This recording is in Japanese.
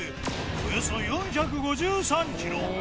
およそ４５３ｋｇ